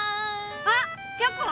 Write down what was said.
あっチョコ⁉